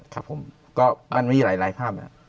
ครับผมก็มันมีหลายภาพนะครับ